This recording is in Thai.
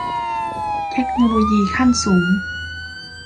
เทคโนโลยีขั้นสูง